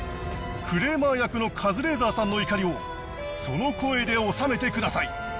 クレーマー役のカズレーザーさんの怒りをその声でおさめてください